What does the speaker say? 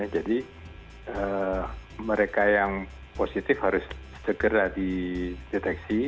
jadi mereka yang positif harus segera dideteksi